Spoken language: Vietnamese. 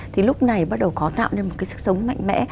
thì lúc này bắt đầu có tạo nên một cái sức sống mạnh mẽ